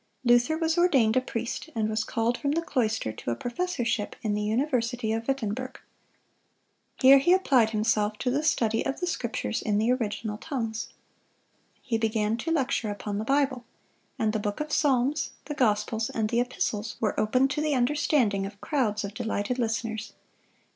Luther was ordained a priest, and was called from the cloister to a professorship in the University of Wittenberg. Here he applied himself to the study of the Scriptures in the original tongues. He began to lecture upon the Bible; and the book of Psalms, the Gospels, and the Epistles were opened to the understanding of crowds of delighted listeners.